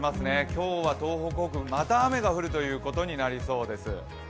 今日は東北北部、また雨が降るということになりそうです。